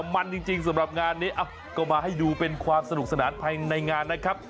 มันจริงสำหรับงานนี้ก็มาให้ดูเป็นความสนุกสนานภายในงานนะครับ